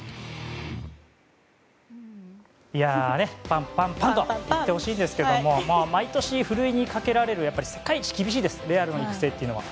パン、パン、パンと行ってほしいですけど毎年、ふるいに掛けられる世界一厳しいですレアルの育成というのは。